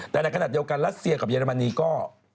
แต่ในขณะเดียวกันรัสเซียกับเรมนีก็